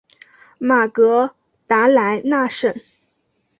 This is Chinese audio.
马格达莱纳省。